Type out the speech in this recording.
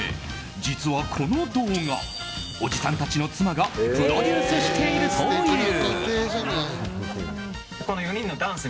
実は、この動画おじさんたちの妻がプロデュースしているという。